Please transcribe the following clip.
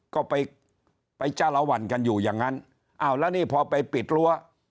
ก็ไปไปจ้าละวันกันอยู่อย่างนั้นอ้าวแล้วนี่พอไปปิดรั้ว